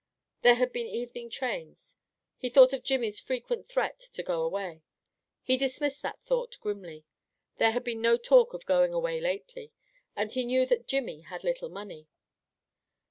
There had been evening trains. He thought of Jimmy's frequent threat to go away. He dismissed that thought grimly. There had been no talk of going away lately, and he knew that Jimmy had little money.